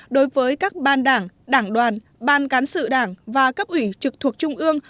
đối với các ban đảng đảng đoàn ban cán sự đảng và cấp ủy trực thuộc trung ương